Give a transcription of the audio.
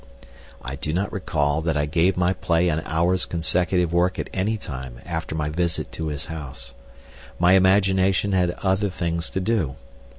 I do not recall that I gave my play an hour's consecutive work at any time after my visit to his house. My imagination had other things to do.